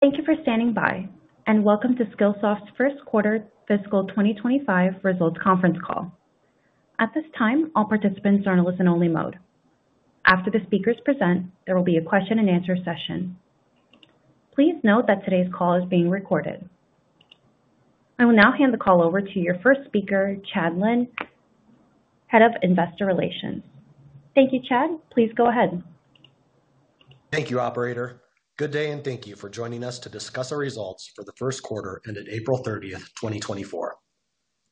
Thank you for standing by, and welcome to Skillsoft's first quarter fiscal 2025 results conference call. At this time, all participants are in a listen-only mode. After the speakers present, there will be a question and answer session. Please note that today's call is being recorded. I will now hand the call over to your first speaker, Chad Lyne, Head of Investor Relations. Thank you, Chad. Please go ahead. Thank you, operator. Good day, and thank you for joining us to discuss our results for the first quarter ended April 30, 2024.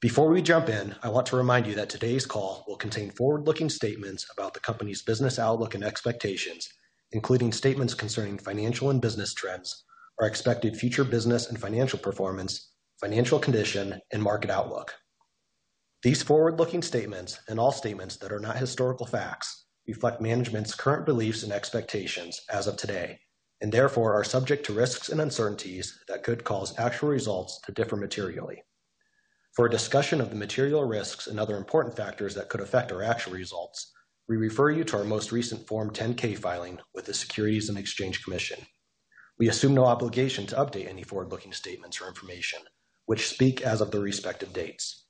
Before we jump in, I want to remind you that today's call will contain forward-looking statements about the company's business outlook and expectations, including statements concerning financial and business trends, our expected future business and financial performance, financial condition, and market outlook. These forward-looking statements, and all statements that are not historical facts, reflect management's current beliefs and expectations as of today, and therefore are subject to risks and uncertainties that could cause actual results to differ materially. For a discussion of the material risks and other important factors that could affect our actual results, we refer you to our most recent Form 10-K filing with the Securities and Exchange Commission. We assume no obligation to update any forward-looking statements or information, which speak as of the respective dates.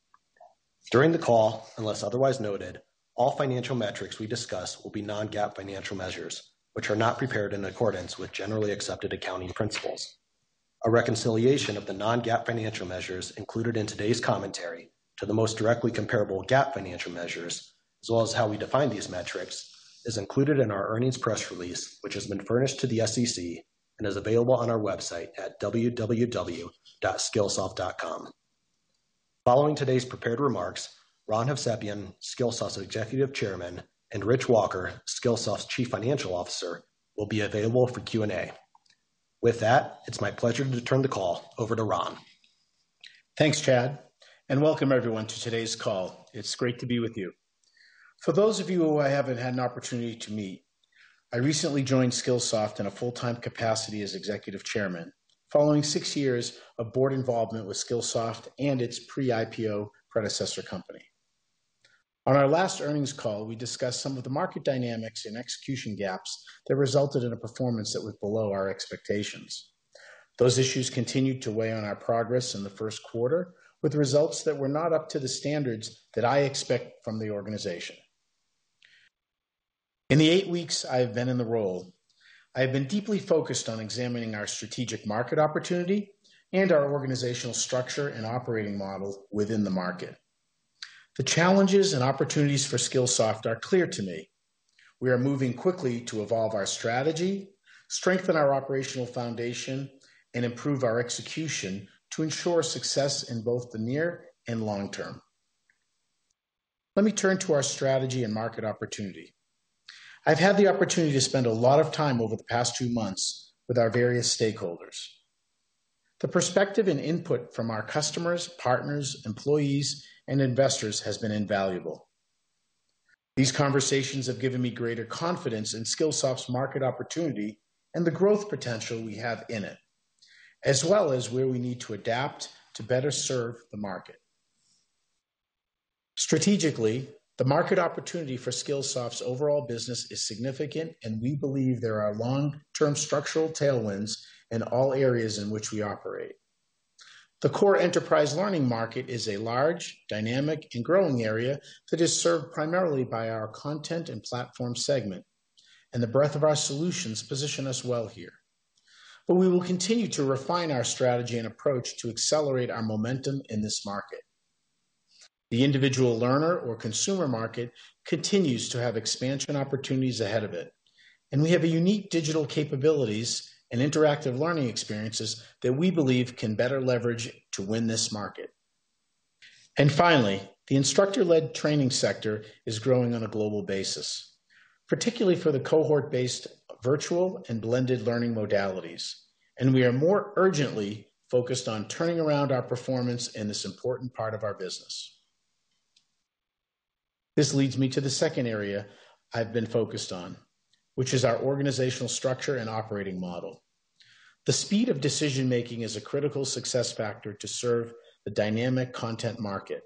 During the call, unless otherwise noted, all financial metrics we discuss will be non-GAAP financial measures, which are not prepared in accordance with generally accepted accounting principles. A reconciliation of the non-GAAP financial measures included in today's commentary to the most directly comparable GAAP financial measures, as well as how we define these metrics, is included in our earnings press release, which has been furnished to the SEC and is available on our website at www.skillsoft.com. Following today's prepared remarks, Ron Hovsepian, Skillsoft's Executive Chairman, and Rich Walker, Skillsoft's Chief Financial Officer, will be available for Q&A. With that, it's my pleasure to turn the call over to Ron. Thanks, Chad, and welcome everyone to today's call. It's great to be with you. For those of you who I haven't had an opportunity to meet, I recently joined Skillsoft in a full-time capacity as Executive Chairman, following six years of board involvement with Skillsoft and its pre-IPO predecessor company. On our last earnings call, we discussed some of the market dynamics and execution gaps that resulted in a performance that was below our expectations. Those issues continued to weigh on our progress in the first quarter, with results that were not up to the standards that I expect from the organization. In the eight weeks I have been in the role, I have been deeply focused on examining our strategic market opportunity and our organizational structure and operating model within the market. The challenges and opportunities for Skillsoft are clear to me. We are moving quickly to evolve our strategy, strengthen our operational foundation, and improve our execution to ensure success in both the near and long term. Let me turn to our strategy and market opportunity. I've had the opportunity to spend a lot of time over the past two months with our various stakeholders. The perspective and input from our customers, partners, employees, and investors has been invaluable. These conversations have given me greater confidence in Skillsoft's market opportunity and the growth potential we have in it, as well as where we need to adapt to better serve the market. Strategically, the market opportunity for Skillsoft's overall business is significant, and we believe there are long-term structural tailwinds in all areas in which we operate. The core enterprise learning market is a large, dynamic, and growing area that is served primarily by our content and platform segment, and the breadth of our solutions position us well here. But we will continue to refine our strategy and approach to accelerate our momentum in this market. The individual learner or consumer market continues to have expansion opportunities ahead of it, and we have a unique digital capabilities and interactive learning experiences that we believe can better leverage to win this market. And finally, the instructor-led training sector is growing on a global basis, particularly for the cohort-based virtual and blended learning modalities. And we are more urgently focused on turning around our performance in this important part of our business. This leads me to the second area I've been focused on, which is our organizational structure and operating model. The speed of decision-making is a critical success factor to serve the dynamic content market.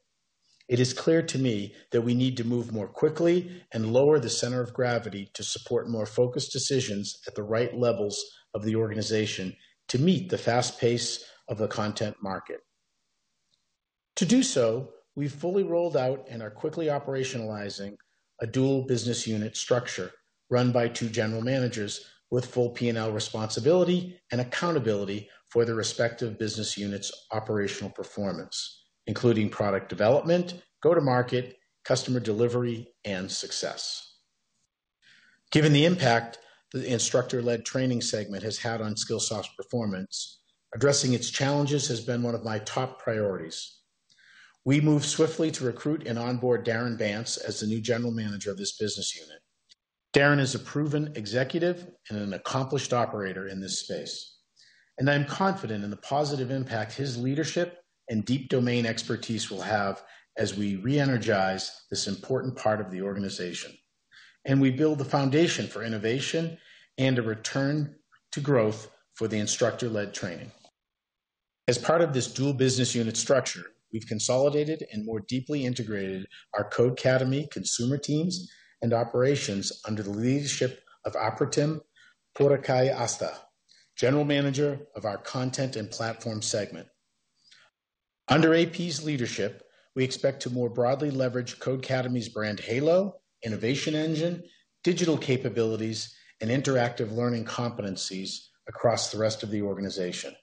It is clear to me that we need to move more quickly and lower the center of gravity to support more focused decisions at the right levels of the organization to meet the fast pace of the content market. To do so, we've fully rolled out and are quickly operationalizing a dual business unit structure run by two general managers with full P&L responsibility and accountability for the respective business units' operational performance, including product development, go-to-market, customer delivery, and success. Given the impact the instructor-led training segment has had on Skillsoft's performance, addressing its challenges has been one of my top priorities. We moved swiftly to recruit and onboard Darren Bance as the new general manager of this business unit. Darren is a proven executive and an accomplished operator in this space, and I'm confident in the positive impact his leadership and deep domain expertise will have as we re-energize this important part of the organization, and we build the foundation for innovation and a return to growth for the instructor-led training. As part of this dual business unit structure, we've consolidated and more deeply integrated our Codecademy consumer teams and operations under the leadership of Apratim Purakayastha, General Manager of our content and platform segment. Under AP's leadership, we expect to more broadly leverage Codecademy's brand halo, innovation engine, digital capabilities, and interactive learning competencies across the rest of the organization.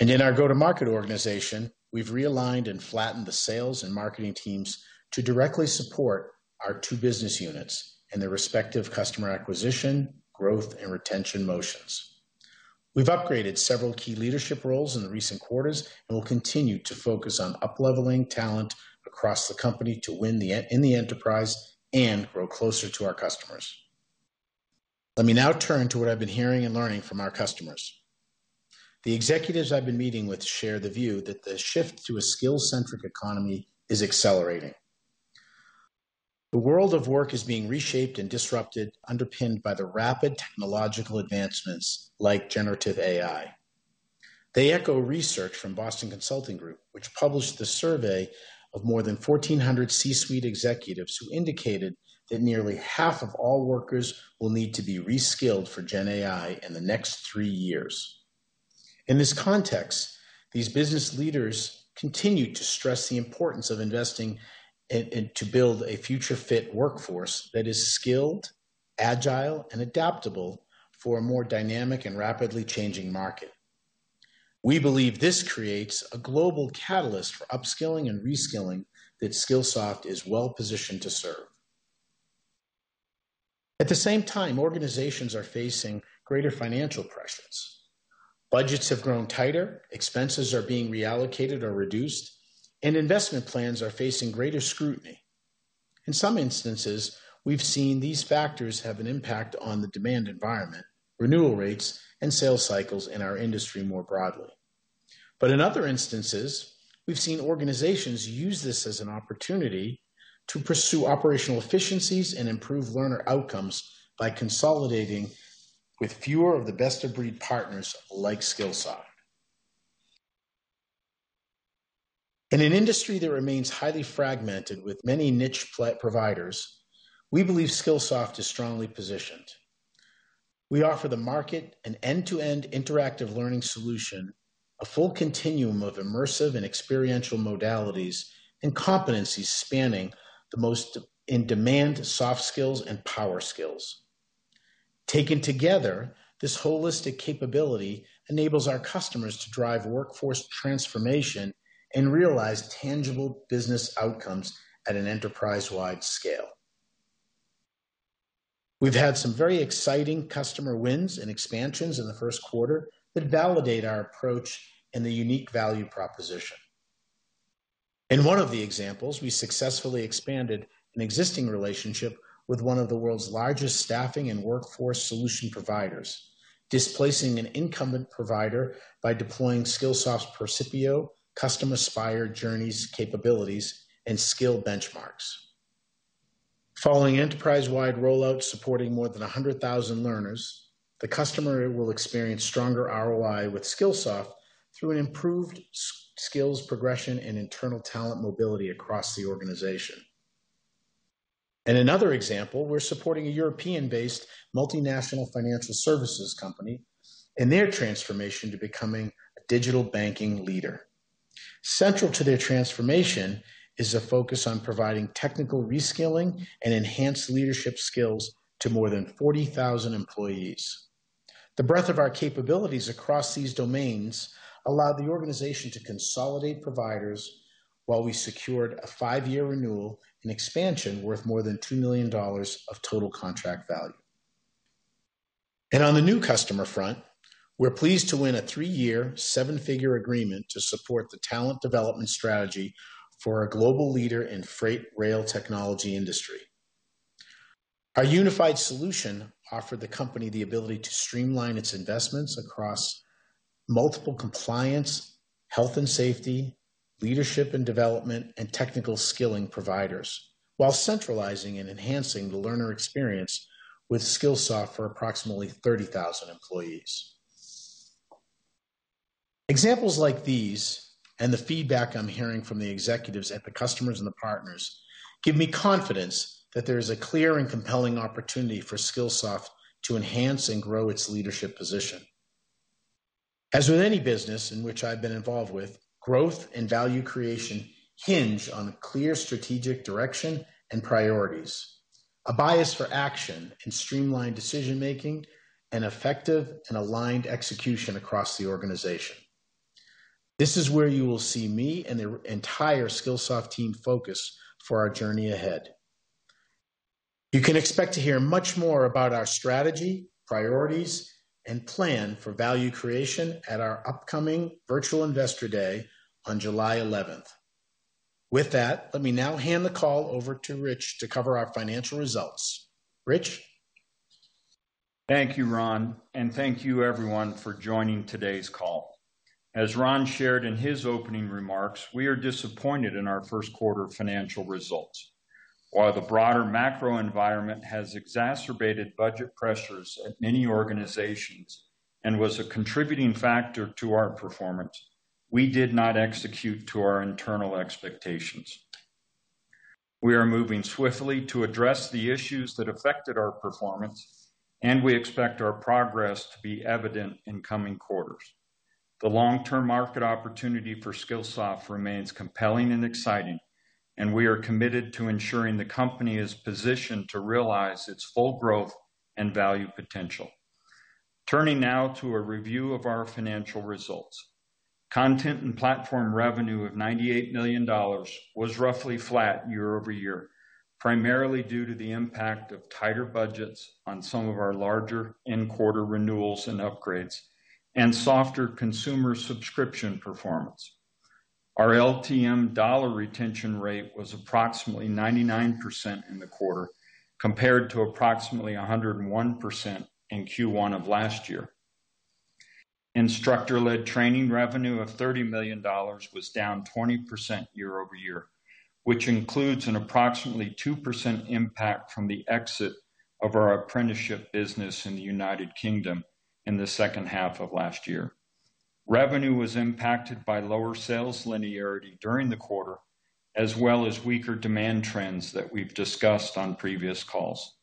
In our go-to-market organization, we've realigned and flattened the sales and marketing teams to directly support our two business units and their respective customer acquisition, growth, and retention motions. We've upgraded several key leadership roles in the recent quarters and will continue to focus on upleveling talent across the company to win the edge in the enterprise and grow closer to our customers. Let me now turn to what I've been hearing and learning from our customers. The executives I've been meeting with share the view that the shift to a skill-centric economy is accelerating. The world of work is being reshaped and disrupted, underpinned by the rapid technological advancements like generative AI. They echo research from Boston Consulting Group, which published a survey of more than 1,400 C-suite executives, who indicated that nearly half of all workers will need to be reskilled for Gen AI in the next 3 years. In this context, these business leaders continue to stress the importance of investing in to build a future-fit workforce that is skilled, agile, and adaptable for a more dynamic and rapidly changing market. We believe this creates a global catalyst for upskilling and reskilling that Skillsoft is well positioned to serve. At the same time, organizations are facing greater financial pressures. Budgets have grown tighter, expenses are being reallocated or reduced, and investment plans are facing greater scrutiny. In some instances, we've seen these factors have an impact on the demand environment, renewal rates, and sales cycles in our industry more broadly. But in other instances, we've seen organizations use this as an opportunity to pursue operational efficiencies and improve learner outcomes by consolidating with fewer of the best-of-breed partners like Skillsoft. In an industry that remains highly fragmented with many niche platform providers, we believe Skillsoft is strongly positioned. We offer the market an end-to-end interactive learning solution, a full continuum of immersive and experiential modalities and competencies spanning the most in-demand soft skills and power skills. Taken together, this holistic capability enables our customers to drive workforce transformation and realize tangible business outcomes at an enterprise-wide scale. We've had some very exciting customer wins and expansions in the first quarter that validate our approach and the unique value proposition. In one of the examples, we successfully expanded an existing relationship with one of the world's largest staffing and workforce solution providers, displacing an incumbent provider by deploying Skillsoft Percipio custom Aspire Journeys, capabilities, and skill benchmarks. Following enterprise-wide rollout, supporting more than 100,000 learners, the customer will experience stronger ROI with Skillsoft through an improved skills progression and internal talent mobility across the organization. In another example, we're supporting a European-based multinational financial services company in their transformation to becoming a digital banking leader. Central to their transformation is a focus on providing technical reskilling and enhanced leadership skills to more than 40,000 employees. The breadth of our capabilities across these domains allowed the organization to consolidate providers while we secured a five-year renewal and expansion worth more than $2 million of total contract value. On the new customer front, we're pleased to win a three-year, seven-figure agreement to support the talent development strategy for a global leader in freight rail technology industry. Our unified solution offered the company the ability to streamline its investments across multiple compliance, health and safety, leadership, and development, and technical skilling providers while centralizing and enhancing the learner experience with Skillsoft for approximately 30,000 employees. Examples like these, and the feedback I'm hearing from the executives and the customers and the partners, give me confidence that there is a clear and compelling opportunity for Skillsoft to enhance and grow its leadership position. As with any business in which I've been involved with, growth and value creation hinge on a clear strategic direction and priorities, a bias for action and streamlined decision-making, and effective and aligned execution across the organization. This is where you will see me and the entire Skillsoft team focus for our journey ahead. You can expect to hear much more about our strategy, priorities, and plan for value creation at our upcoming virtual Investor Day on July eleventh. With that, let me now hand the call over to Rich to cover our financial results. Rich? Thank you, Ron, and thank you everyone for joining today's call. As Ron shared in his opening remarks, we are disappointed in our first quarter financial results. While the broader macro environment has exacerbated budget pressures at many organizations and was a contributing factor to our performance, we did not execute to our internal expectations. We are moving swiftly to address the issues that affected our performance, and we expect our progress to be evident in coming quarters. The long-term market opportunity for Skillsoft remains compelling and exciting, and we are committed to ensuring the company is positioned to realize its full growth and value potential. Turning now to a review of our financial results. Content and platform revenue of $98 million was roughly flat year-over-year, primarily due to the impact of tighter budgets on some of our larger end-quarter renewals and upgrades, and softer consumer subscription performance. Our LTM dollar retention rate was approximately 99% in the quarter, compared to approximately 101% in Q1 of last year. Instructor-led training revenue of $30 million was down 20% year-over-year, which includes an approximately 2% impact from the exit of our apprenticeship business in the United Kingdom in the second half of last year. Revenue was impacted by lower sales linearity during the quarter, as well as weaker demand trends that we've discussed on previous calls.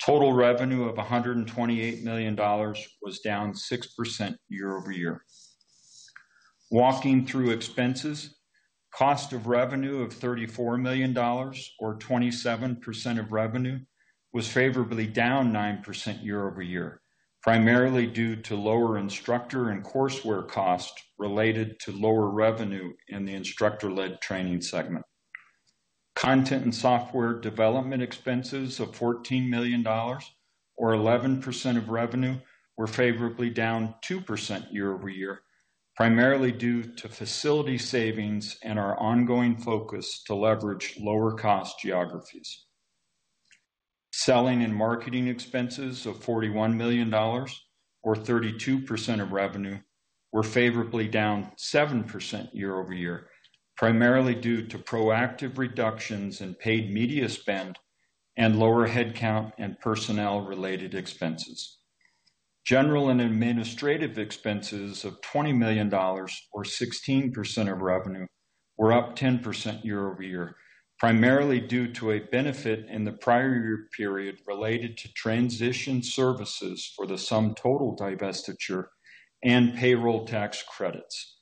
Total revenue of $128 million was down 6% year-over-year. Walking through expenses, cost of revenue of $34 million or 27% of revenue, was favorably down 9% year-over-year, primarily due to lower instructor and courseware costs related to lower revenue in the instructor-led training segment. Content and software development expenses of $14 million or 11% of revenue, were favorably down 2% year-over-year, primarily due to facility savings and our ongoing focus to leverage lower-cost geographies. Selling and marketing expenses of $41 million or 32% of revenue, were favorably down 7% year-over-year, primarily due to proactive reductions in paid media spend and lower headcount and personnel-related expenses. General and administrative expenses of $20 million or 16% of revenue were up 10% year-over-year, primarily due to a benefit in the prior year period related to transition services for the SumTotal divestiture and payroll tax credits.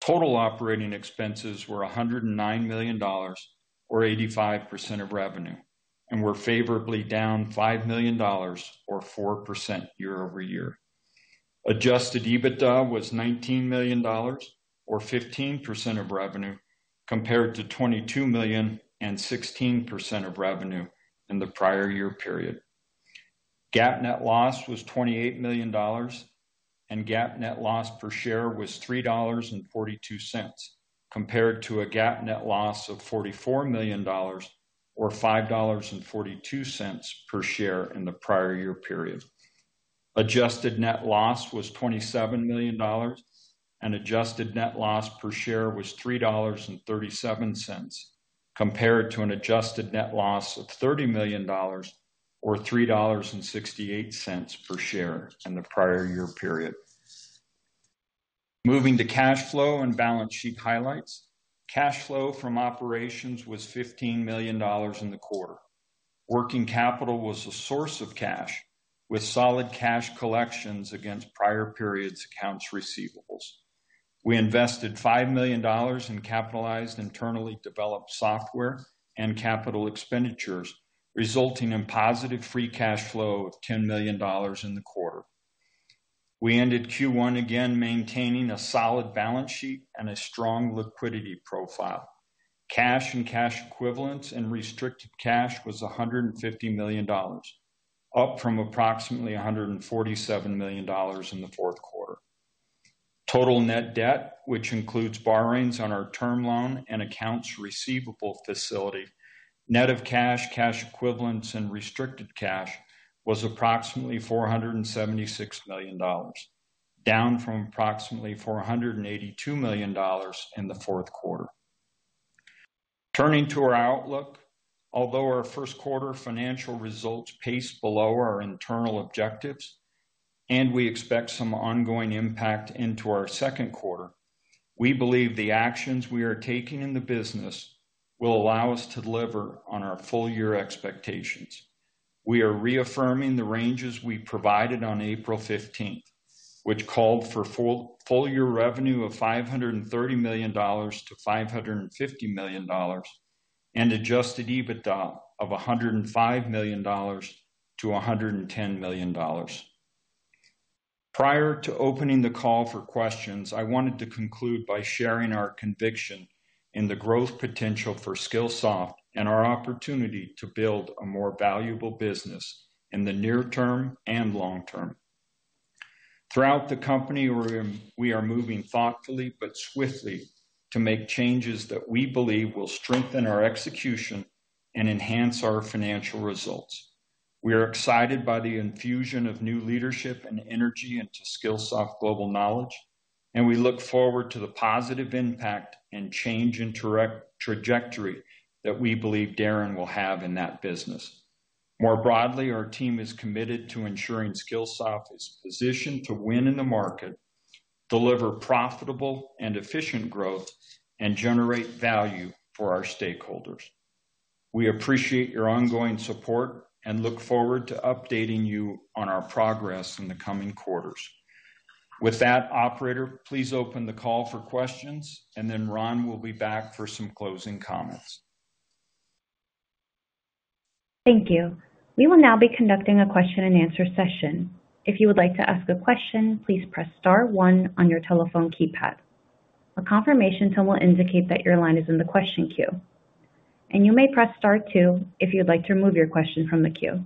Total operating expenses were $109 million or 85% of revenue, and were favorably down $5 million or 4% year-over-year. Adjusted EBITDA was $19 million or 15% of revenue, compared to $22 million and 16% of revenue in the prior year period. GAAP net loss was $28 million, and GAAP net loss per share was $3.42, compared to a GAAP net loss of $44 million or $5.42 per share in the prior year period. Adjusted net loss was $27 million, and adjusted net loss per share was $3.37, compared to an adjusted net loss of $30 million or $3.68 per share in the prior year period. Moving to cash flow and balance sheet highlights. Cash flow from operations was $15 million in the quarter. Working capital was a source of cash, with solid cash collections against prior periods accounts receivables. We invested $5 million in capitalized internally developed software and capital expenditures, resulting in positive free cash flow of $10 million in the quarter. We ended Q1 again, maintaining a solid balance sheet and a strong liquidity profile. Cash and cash equivalents, and restricted cash was $150 million, up from approximately $147 million in the fourth quarter. Total net debt, which includes borrowings on our term loan and accounts receivable facility, net of cash, cash equivalents, and restricted cash, was approximately $476 million, down from approximately $482 million in the fourth quarter. Turning to our outlook, although our first quarter financial results paced below our internal objectives, and we expect some ongoing impact into our second quarter, we believe the actions we are taking in the business will allow us to deliver on our full-year expectations. We are reaffirming the ranges we provided on April fifteenth, which called for full, full year revenue of $530 million-$550 million, and Adjusted EBITDA of $105 million-$110 million. Prior to opening the call for questions, I wanted to conclude by sharing our conviction in the growth potential for Skillsoft and our opportunity to build a more valuable business in the near term and long term. Throughout the company, we are moving thoughtfully but swiftly to make changes that we believe will strengthen our execution and enhance our financial results. We are excited by the infusion of new leadership and energy into Skillsoft Global Knowledge, and we look forward to the positive impact and change in trajectory that we believe Darren will have in that business. More broadly, our team is committed to ensuring Skillsoft is positioned to win in the market... deliver profitable and efficient growth, and generate value for our stakeholders. We appreciate your ongoing support and look forward to updating you on our progress in the coming quarters. With that, operator, please open the call for questions, and then Ron will be back for some closing comments. Thank you. We will now be conducting a question-and-answer session. If you would like to ask a question, please press star one on your telephone keypad. A confirmation tone will indicate that your line is in the question queue, and you may press star two if you'd like to remove your question from the queue.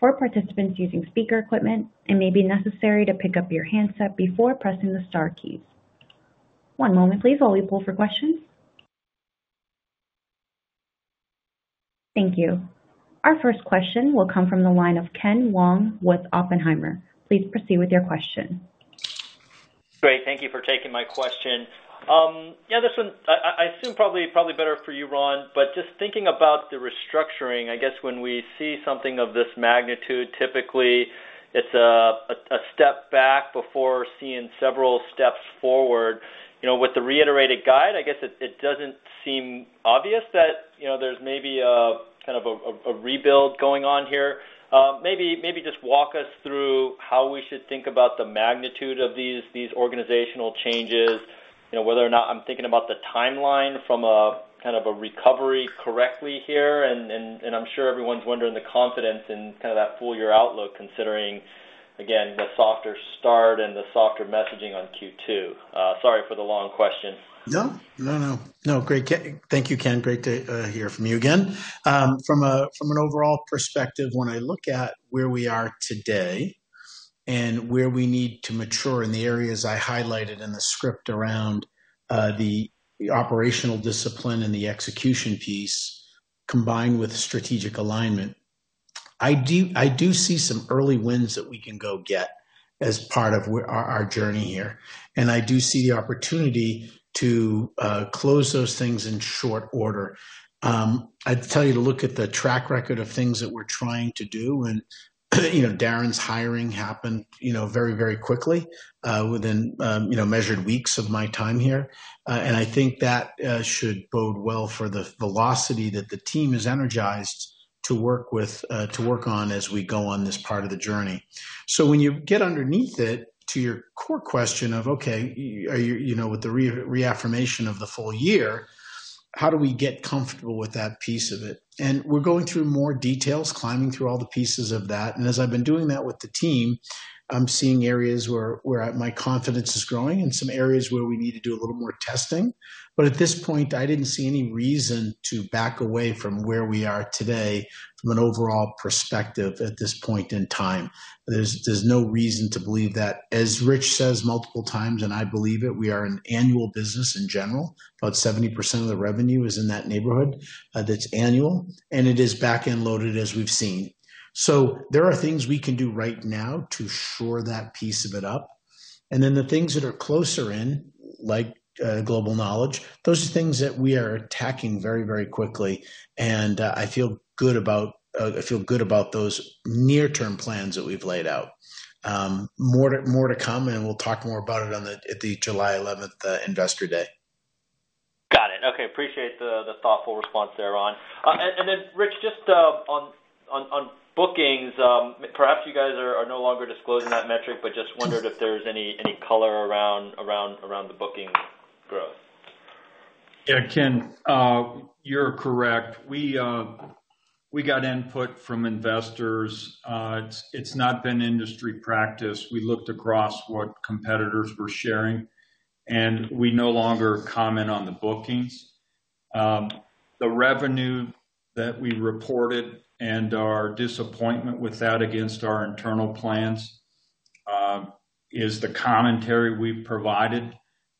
For participants using speaker equipment, it may be necessary to pick up your handset before pressing the star keys. One moment please, while we pull for questions. Thank you. Our first question will come from the line of Ken Wong with Oppenheimer. Please proceed with your question. Great, thank you for taking my question. Yeah, this one, I assume probably better for you, Ron, but just thinking about the restructuring, I guess when we see something of this magnitude, typically it's a step back before seeing several steps forward. You know, with the reiterated guide, I guess it doesn't seem obvious that, you know, there's maybe a kind of a rebuild going on here. Maybe just walk us through how we should think about the magnitude of these organizational changes, you know, whether or not I'm thinking about the timeline from a kind of a recovery correctly here. And I'm sure everyone's wondering the confidence in kind of that full year outlook, considering, again, the softer start and the softer messaging on Q2. Sorry for the long question. No. No, no. No, great. Thank you, Ken. Great to hear from you again. From an overall perspective, when I look at where we are today and where we need to mature in the areas I highlighted in the script around the operational discipline and the execution piece, combined with strategic alignment, I do see some early wins that we can go get as part of our journey here, and I do see the opportunity to close those things in short order. I'd tell you to look at the track record of things that we're trying to do, and, you know, Darren's hiring happened, you know, very, very quickly, within measured weeks of my time here. And I think that should bode well for the velocity that the team is energized to work with, to work on as we go on this part of the journey. So when you get underneath it, to your core question of, okay, are you, you know, with the reaffirmation of the full year, how do we get comfortable with that piece of it? And we're going through more details, climbing through all the pieces of that, and as I've been doing that with the team, I'm seeing areas where my confidence is growing and some areas where we need to do a little more testing. But at this point, I didn't see any reason to back away from where we are today from an overall perspective at this point in time. There's no reason to believe that. As Rich says multiple times, and I believe it, we are an annual business in general. About 70% of the revenue is in that neighborhood, that's annual, and it is back-end loaded, as we've seen. So there are things we can do right now to shore that piece of it up, and then the things that are closer in, like, Global Knowledge, those are things that we are attacking very, very quickly. And, I feel good about, I feel good about those near-term plans that we've laid out. More to, more to come, and we'll talk more about it on the, at the July 11, Investor Day. Got it. Okay, appreciate the thoughtful response there, Ron. And then, Rich, just on bookings, perhaps you guys are no longer disclosing that metric, but just wondered if there's any color around the booking growth? Yeah, Ken, you're correct. We got input from investors. It's not been industry practice. We looked across what competitors were sharing, and we no longer comment on the bookings. The revenue that we reported and our disappointment with that against our internal plans is the commentary we've provided.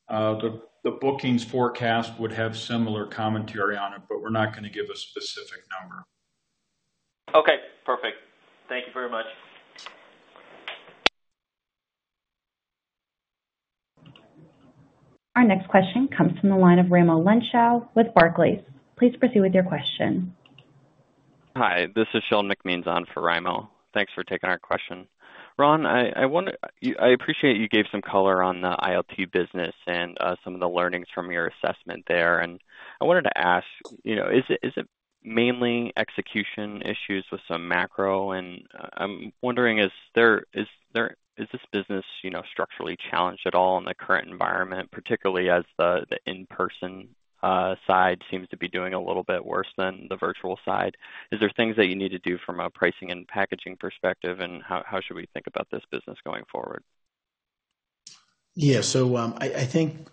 The bookings forecast would have similar commentary on it, but we're not gonna give a specific number. Okay, perfect. Thank you very much. Our next question comes from the line of Raimo Lenschow with Barclays. Please proceed with your question. Hi, this is Sheldon McMeans on for Raimo Lenschow. Thanks for taking our question. Ron, I wonder... I appreciate you gave some color on the ILT business and some of the learnings from your assessment there. And I wanted to ask, you know, is it mainly execution issues with some macro? And I'm wondering, is this business, you know, structurally challenged at all in the current environment, particularly as the in-person side seems to be doing a little bit worse than the virtual side? Is there things that you need to do from a pricing and packaging perspective, and how should we think about this business going forward? Yeah, so, I think,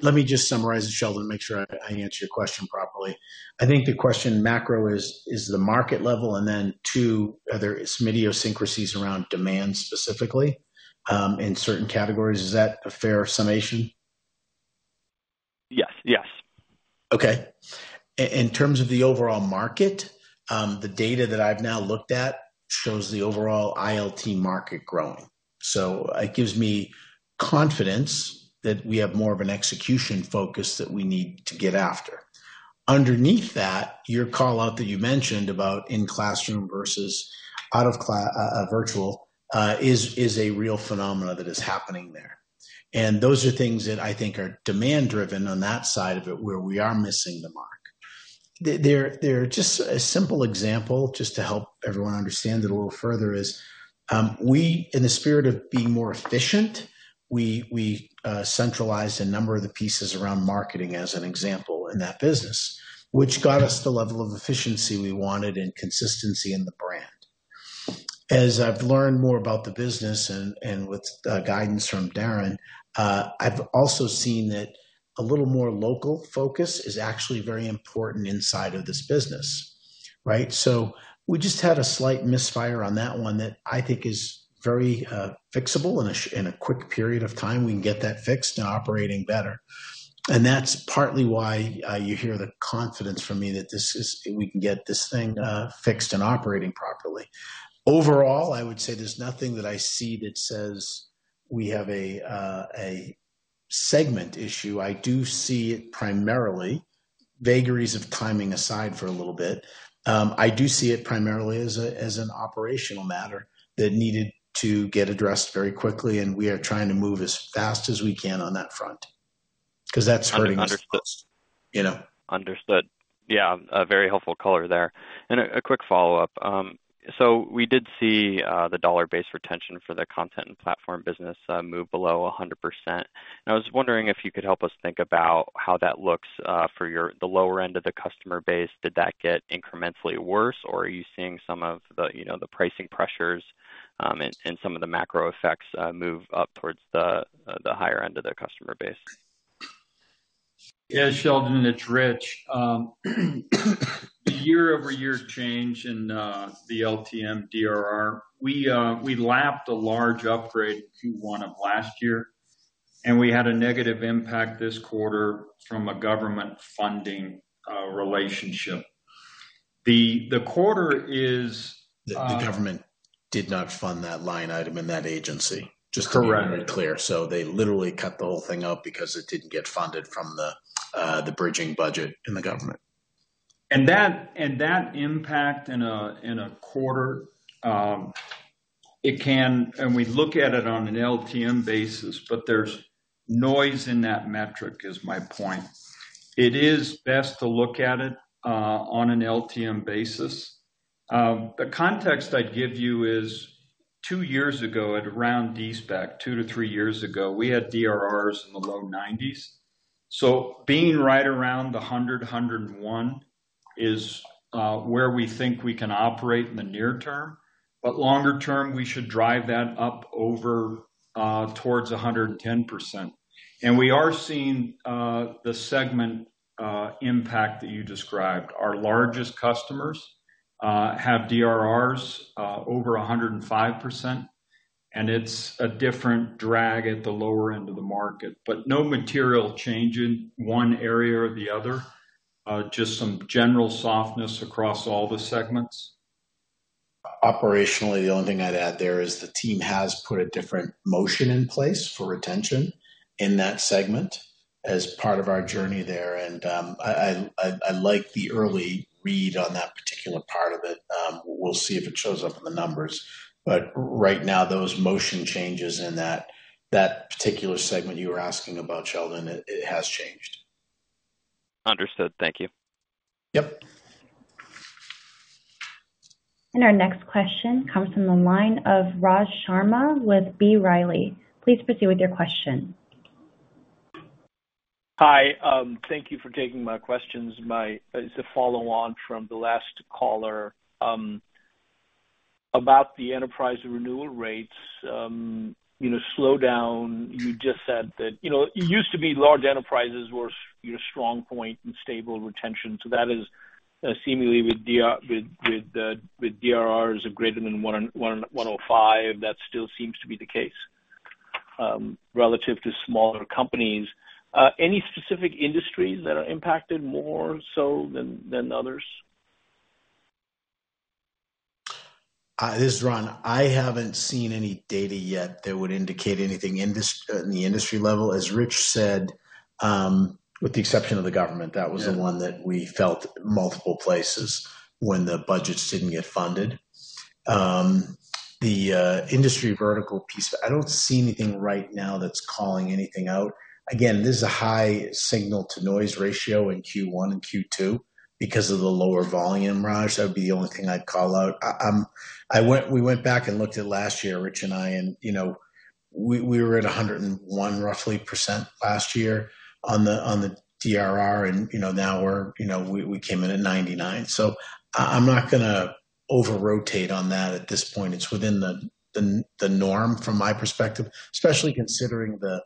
let me just summarize, Sheldon, to make sure I answer your question properly. I think the question macro is, is the market level, and then two, are there some idiosyncrasies around demand, specifically, in certain categories? Is that a fair summation? Yes. Yes. Okay. In terms of the overall market, the data that I've now looked at shows the overall ILT market growing. So it gives me confidence that we have more of an execution focus that we need to get after. Underneath that, your call out that you mentioned about in classroom versus out of class, virtual, is a real phenomenon that is happening there. And those are things that I think are demand driven on that side of it, where we are missing the mark. They're just a simple example, just to help everyone understand it a little further: in the spirit of being more efficient, we centralized a number of the pieces around marketing as an example in that business, which got us the level of efficiency we wanted and consistency in the brand. As I've learned more about the business and with guidance from Darren, I've also seen that a little more local focus is actually very important inside of this business, right? So we just had a slight misfire on that one that I think is very fixable. In a quick period of time, we can get that fixed and operating better. And that's partly why you hear the confidence from me that we can get this thing fixed and operating properly. Overall, I would say there's nothing that I see that says we have a segment issue. I do see it primarily, vagaries of timing aside for a little bit, I do see it primarily as an operational matter that needed to get addressed very quickly, and we are trying to move as fast as we can on that front, 'cause that's hurting us, you know? Understood. Yeah, a very helpful color there. A quick follow-up. So we did see the dollar-based retention for the content and platform business move below 100%. I was wondering if you could help us think about how that looks for your... the lower end of the customer base. Did that get incrementally worse, or are you seeing some of the, you know, the pricing pressures and some of the macro effects move up towards the higher end of the customer base? Yeah, Sheldon, it's Rich. The year-over-year change in the LTM DRR, we lapped a large upgrade, Q1 of last year, and we had a negative impact this quarter from a government funding relationship. The quarter is The government did not fund that line item in that agency. Correct. Just to be very clear. So they literally cut the whole thing out because it didn't get funded from the bridging budget in the government. That impact in a quarter. We look at it on an LTM basis, but there's noise in that metric, is my point. It is best to look at it on an LTM basis. The context I'd give you is two years ago, at around these back, two to three years ago, we had DRRs in the low 90s. So being right around the 100, 101 is where we think we can operate in the near term, but longer term, we should drive that up over towards 110%. We are seeing the segment impact that you described. Our largest customers have DRRs over 105%, and it's a different drag at the lower end of the market. But no material change in one area or the other, just some general softness across all the segments. Operationally, the only thing I'd add there is the team has put a different motion in place for retention in that segment as part of our journey there, and I like the early read on that particular part of it. We'll see if it shows up in the numbers. But right now, those motion changes in that particular segment you were asking about, Sheldon, it has changed. Understood. Thank you. Yep. Our next question comes from the line of Raj Sharma with B. Riley. Please proceed with your question. Hi, thank you for taking my questions. It's a follow-on from the last caller about the enterprise renewal rates, you know, slowdown. You just said that, you know, it used to be large enterprises were your strong point and stable retention. So that is seemingly with DRRs of greater than 101 and 105, that still seems to be the case relative to smaller companies. Any specific industries that are impacted more so than others? This is Ron. I haven't seen any data yet that would indicate anything in the industry level. As Rich said, with the exception of the government, that was- Yeah... the one that we felt multiple places when the budgets didn't get funded. The industry vertical piece, I don't see anything right now that's calling anything out. Again, this is a high signal-to-noise ratio in Q1 and Q2 because of the lower volume, Raj. That would be the only thing I'd call out. I went- we went back and looked at last year, Rich and I, and, you know, we, we were at 101%, roughly, last year on the DRR, and, you know, now we're, you know, we, we came in at 99%. So I, I'm not gonna over-rotate on that at this point. It's within the norm from my perspective, especially considering the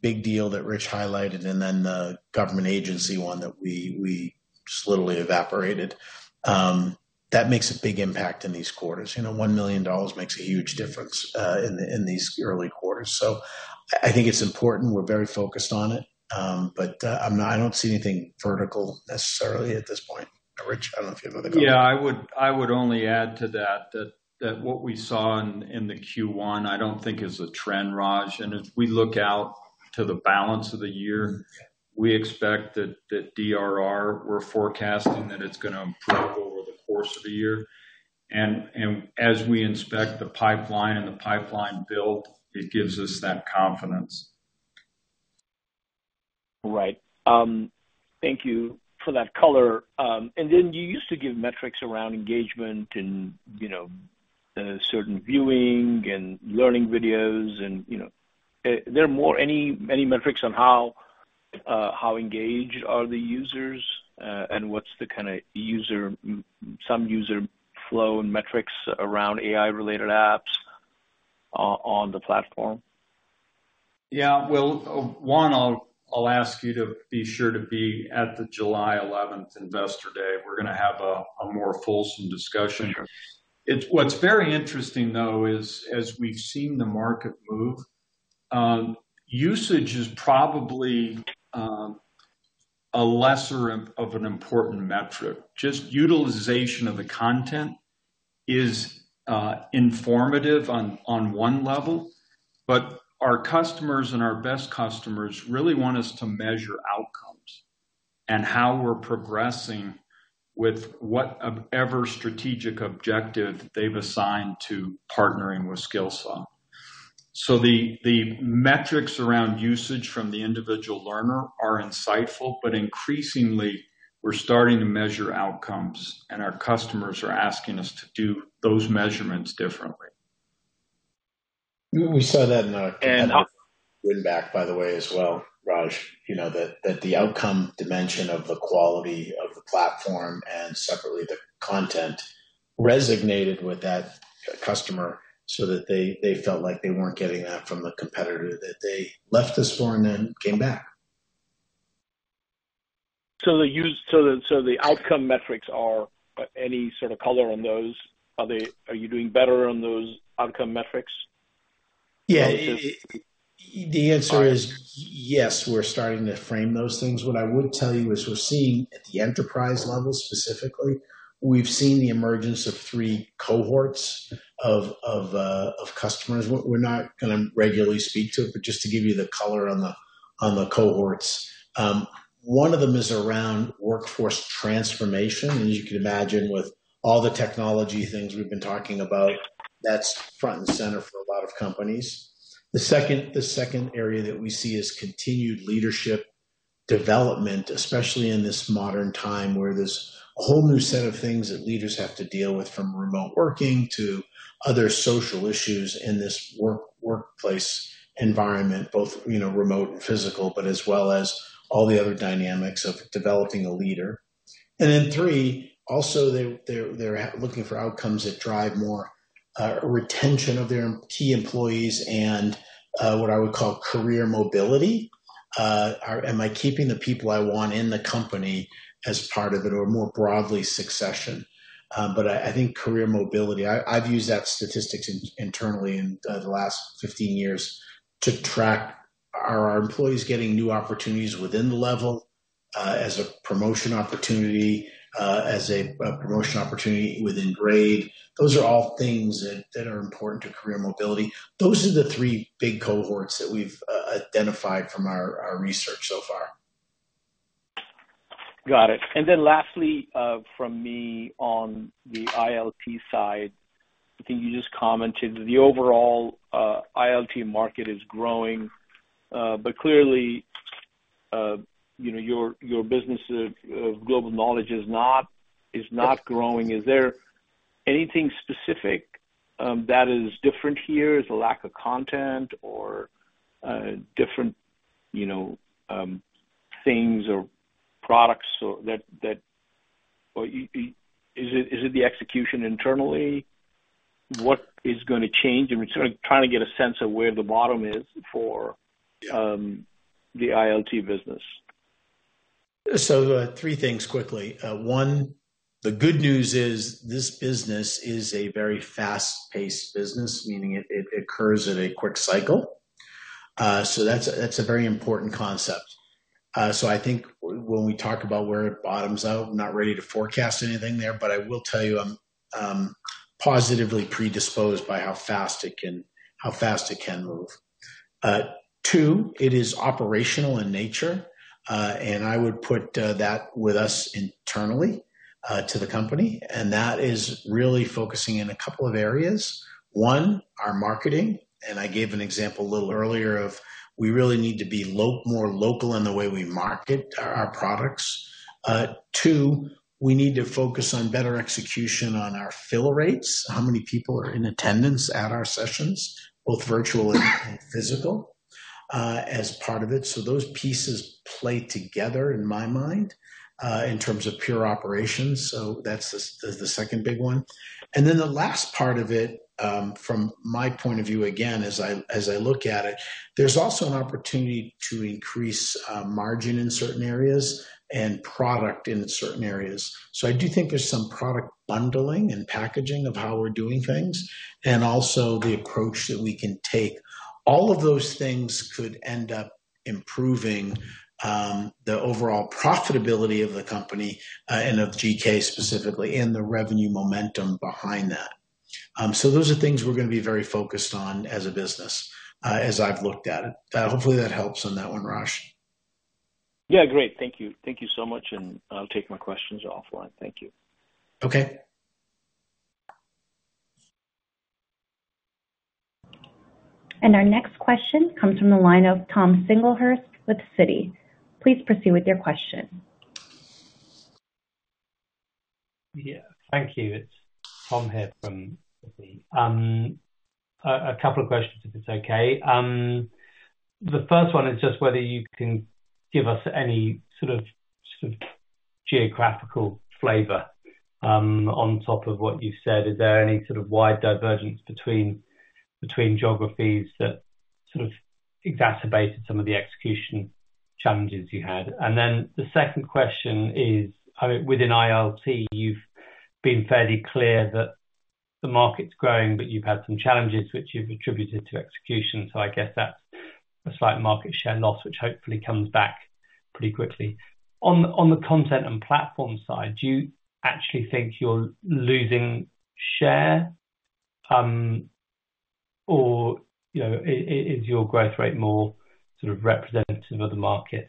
big deal that Rich highlighted and then the government agency one that we just literally evaporated. That makes a big impact in these quarters. You know, $1 million makes a huge difference in these early quarters. So I think it's important. We're very focused on it. But I don't see anything vertical necessarily at this point. Rich, I don't know if you have other comments. Yeah, I would only add to that, that what we saw in the Q1, I don't think is a trend, Raj. And if we look out to the balance of the year, we expect that DRR, we're forecasting that it's gonna improve over the course of the year. And as we inspect the pipeline and the pipeline build, it gives us that confidence. Right. Thank you for that color. And then you used to give metrics around engagement and, you know, certain viewing and learning videos and, you know. Any metrics on how engaged are the users, and what's the kinda user, some user flow and metrics around AI-related apps on the platform? Yeah, well, one, I'll ask you to be sure to be at the July eleventh investor day. We're gonna have a more fulsome discussion. It's what's very interesting, though, is as we've seen the market move, usage is probably a lesser of an important metric. Just utilization of the content is informative on one level, but our customers and our best customers really want us to measure outcomes and how we're progressing with whatever strategic objective they've assigned to partnering with Skillsoft. So the metrics around usage from the individual learner are insightful, but increasingly, we're starting to measure outcomes, and our customers are asking us to do those measurements differently. We saw that in a- And- win back, by the way, as well, Raj. You know, that, that the outcome dimension of the quality of the platform and separately the content, resonated with that customer so that they, they felt like they weren't getting that from the competitor, that they left us for and then came back. So, the outcome metrics are any sort of color on those? Are you doing better on those outcome metrics? Yeah. The answer is, yes, we're starting to frame those things. What I would tell you is we're seeing, at the enterprise level specifically, we've seen the emergence of three cohorts of customers. We're not gonna regularly speak to it, but just to give you the color on the cohorts. One of them is around workforce transformation. You can imagine with all the technology things we've been talking about, that's front and center for a lot of companies. The second area that we see is continued leadership development, especially in this modern time, where there's a whole new set of things that leaders have to deal with, from remote working to other social issues in this workplace environment, both, you know, remote and physical, but as well as all the other dynamics of developing a leader. And then three, also, they're looking for outcomes that drive more retention of their key employees and what I would call career mobility. Am I keeping the people I want in the company as part of it or more broadly, succession? But I think career mobility. I've used that statistic internally in the last 15 years to track, are our employees getting new opportunities within the level as a promotion opportunity within grade? Those are all things that are important to career mobility. Those are the three big cohorts that we've identified from our research so far. Got it. And then lastly, from me on the ILT side, I think you just commented, the overall ILT market is growing, but clearly, you know, your business of Global Knowledge is not growing. Is there anything specific that is different here? Is it lack of content or different, you know, things or products or that? Or is it the execution internally? What is gonna change? I mean, sort of trying to get a sense of where the bottom is for the ILT business. So, three things quickly. One, the good news is this business is a very fast-paced business, meaning it, it occurs at a quick cycle. So that's, that's a very important concept. So I think when we talk about where it bottoms out, I'm not ready to forecast anything there, but I will tell you I'm positively predisposed by how fast it can, how fast it can move. Two, it is operational in nature, and I would put that with us internally to the company, and that is really focusing in a couple of areas. One, our marketing, and I gave an example a little earlier of we really need to be more local in the way we market our, our products. Two, we need to focus on better execution on our fill rates. How many people are in attendance at our sessions, both virtual and physical, as part of it? So those pieces play together in my mind, in terms of pure operations. So that's the second big one. And then the last part of it, from my point of view, again, as I look at it, there's also an opportunity to increase margin in certain areas and product in certain areas. So I do think there's some product bundling and packaging of how we're doing things, and also the approach that we can take. All of those things could end up improving the overall profitability of the company, and of GK specifically, and the revenue momentum behind that.... So those are things we're gonna be very focused on as a business, as I've looked at it. Hopefully, that helps on that one, Raj. Yeah, great. Thank you. Thank you so much, and I'll take my questions offline. Thank you. Okay. Our next question comes from the line of Tom Singlehurst with Citi. Please proceed with your question. Yeah, thank you. It's Tom here from Citi. A couple of questions, if it's okay. The first one is just whether you can give us any sort of geographical flavor on top of what you've said. Is there any sort of wide divergence between geographies that sort of exacerbated some of the execution challenges you had? And then the second question is, I mean, within ILT, you've been fairly clear that the market's growing, but you've had some challenges which you've attributed to execution. So I guess that's a slight market share loss, which hopefully comes back pretty quickly. On the content and platform side, do you actually think you're losing share, or, you know, is your growth rate more sort of representative of the market?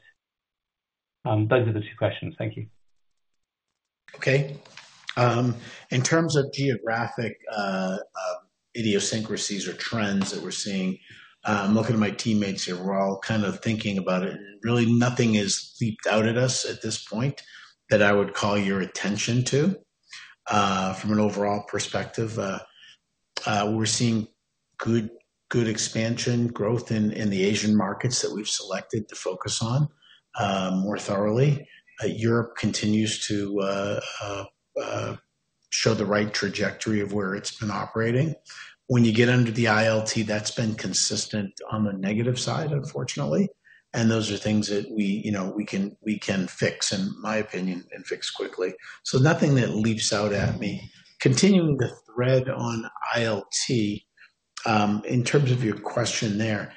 Those are the two questions. Thank you. Okay. In terms of geographic, idiosyncrasies or trends that we're seeing, looking at my teammates here, we're all kind of thinking about it. Really, nothing has leaped out at us at this point that I would call your attention to. From an overall perspective, we're seeing good, good expansion growth in, in the Asian markets that we've selected to focus on, more thoroughly. Europe continues to show the right trajectory of where it's been operating. When you get under the ILT, that's been consistent on the negative side, unfortunately, and those are things that we, you know, we can, we can fix, in my opinion, and fix quickly. So nothing that leaps out at me. Continuing the thread on ILT, in terms of your question there,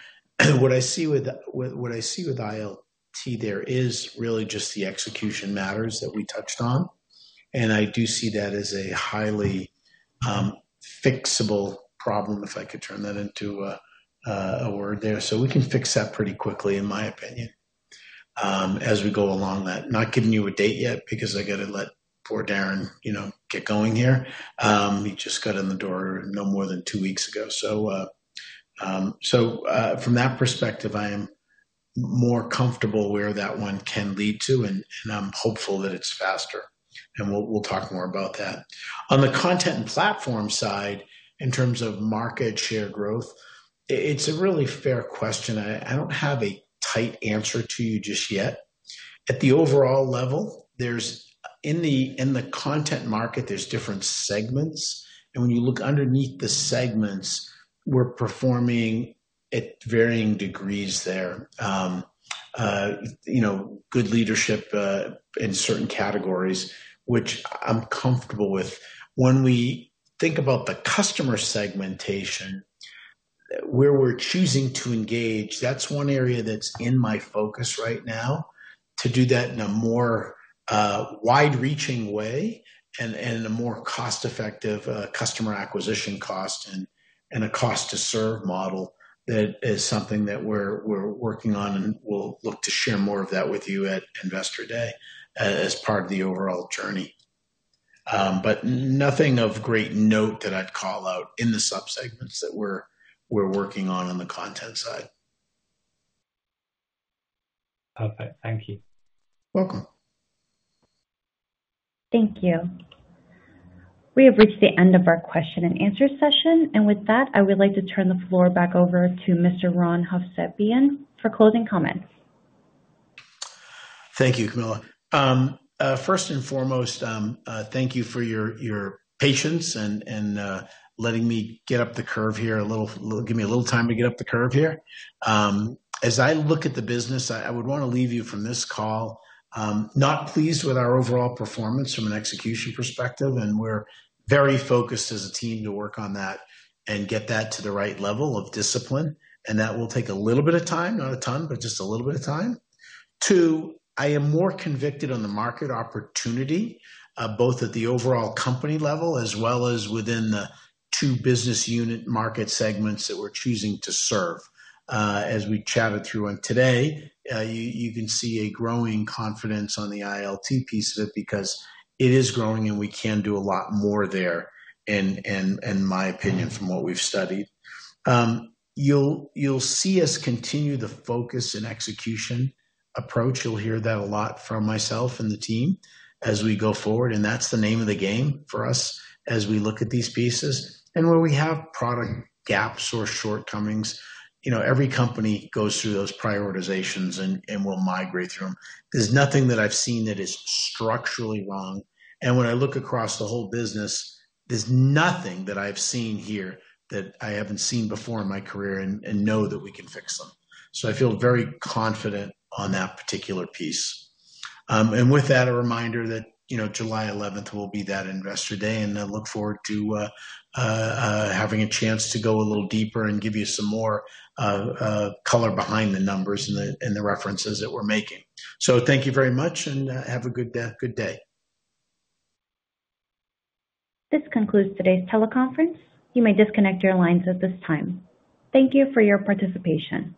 what I see with ILT there is really just the execution matters that we touched on, and I do see that as a highly fixable problem, if I could turn that into a word there. So we can fix that pretty quickly, in my opinion, as we go along that. Not giving you a date yet because I got to let poor Darren, you know, get going here. He just got in the door no more than two weeks ago. So, from that perspective, I am more comfortable where that one can lead to, and I'm hopeful that it's faster, and we'll talk more about that. On the content and platform side, in terms of market share growth, it's a really fair question. I don't have a tight answer to you just yet. At the overall level, there's. In the content market, there's different segments, and when you look underneath the segments, we're performing at varying degrees there. You know, good leadership in certain categories, which I'm comfortable with. When we think about the customer segmentation, where we're choosing to engage, that's one area that's in my focus right now to do that in a more wide-reaching way and a more cost-effective customer acquisition cost and a cost-to-serve model. That is something that we're working on, and we'll look to share more of that with you at Investor Day as part of the overall journey. But nothing of great note that I'd call out in the subsegments that we're working on the content side. Perfect. Thank you. Welcome. Thank you. We have reached the end of our question and answer session, and with that, I would like to turn the floor back over to Mr. Ron Hovsepian for closing comments. Thank you, Camilla. First and foremost, thank you for your patience and letting me get up the curve here a little. Give me a little time to get up the curve here. As I look at the business, I would want to leave you from this call not pleased with our overall performance from an execution perspective, and we're very focused as a team to work on that and get that to the right level of discipline, and that will take a little bit of time. Not a ton, but just a little bit of time. Two, I am more convicted on the market opportunity both at the overall company level as well as within the two business unit market segments that we're choosing to serve. As we chatted through on today, you can see a growing confidence on the ILT piece of it because it is growing, and we can do a lot more there in my opinion, from what we've studied. You'll see us continue the focus and execution approach. You'll hear that a lot from myself and the team as we go forward, and that's the name of the game for us as we look at these pieces. And where we have product gaps or shortcomings, you know, every company goes through those prioritizations and will migrate through them. There's nothing that I've seen that is structurally wrong, and when I look across the whole business, there's nothing that I've seen here that I haven't seen before in my career and know that we can fix them. So I feel very confident on that particular piece. And with that, a reminder that, you know, July eleventh will be that Investor Day, and I look forward to having a chance to go a little deeper and give you some more color behind the numbers and the, and the references that we're making. So thank you very much, and have a good good day. This concludes today's teleconference. You may disconnect your lines at this time. Thank you for your participation.